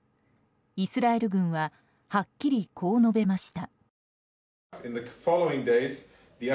イスラエル軍ははっきりこう述べました。